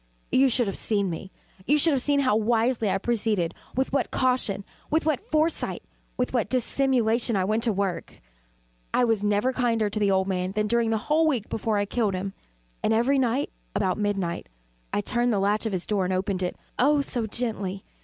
But you should have seen me. You should have seen how wisely I proceeded with what caution with what foresight with what dissimulation I went to work! I was never kinder to the old man than during the whole week before I killed him. And every night, about midnight, I turned the latch of his door and opened it oh so gently!